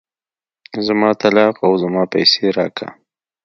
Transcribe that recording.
زما طلاق او زما پيسې راکه.